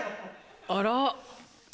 あら。